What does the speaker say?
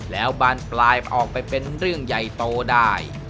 แล้วบานปลายออกไปเป็นเรื่องใหญ่โตได้